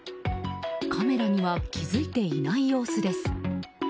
カメラには気づいていない様子です。